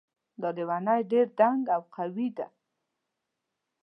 دا لیونۍ ډېر دنګ او قوي ده